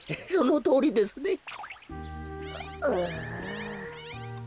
そのとおりですね。